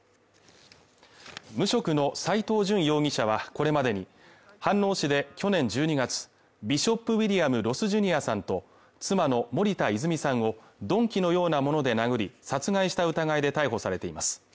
無職の斉藤淳容疑者はこれまでに飯能市で去年１２月ビショップ・ウィリアム・ロス・ジュニアさんと妻の森田泉さんを鈍器のようなもので殴り殺害した疑いで逮捕されています